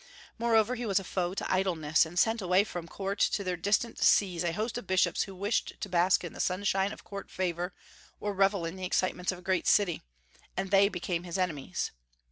Moreover, he was a foe to idleness, and sent away from court to their distant sees a host of bishops who wished to bask in the sunshine of court favor, or revel in the excitements of a great city; and they became his enemies.